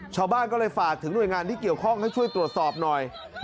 ชาวบ้านก็เลยฝากถึงหน่วยงานที่เกี่ยวข้องให้ช่วยตรวจสอบหน่อย